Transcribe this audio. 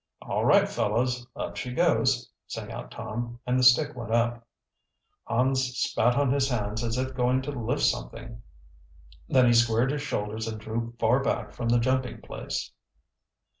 "All right, fellows, up she goes!" sang out Tom, and the stick went up. Hans spat on his hands as if going to lift something. Then he squared his shoulders and drew far back from the jumping place.